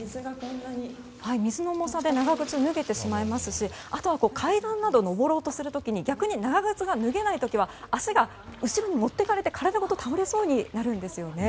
水の重さで長靴が脱げてしまいますしあとは階段などを上ろうとする時に逆に長靴が脱げない時は足が後ろに持っていかれて体ごと倒れそうになるんですよね。